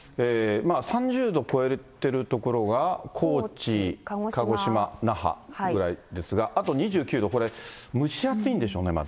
３０度超えてる所は高知、鹿児島、那覇ぐらいですが、あと２９度、これ、蒸し暑いんでしょうね、まだ。